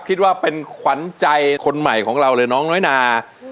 คิดว่าเป็นขวัญใจคนใหม่ของเราเลยน้องน้อยนา